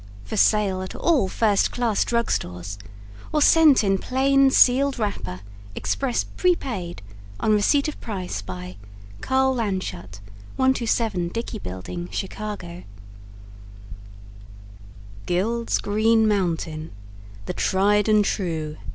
For sale at all first class Drug Stores or sent in plain sealed wrapper, express prepaid on receipt of price by Karl Landshut, 127 Dickey Building Chicago GUILD'S GREEN MOUNTAIN THE TRIED AND TRUE.